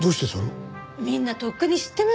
みんなとっくに知ってますよ。